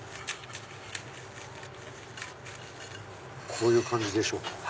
こういう感じでしょうか。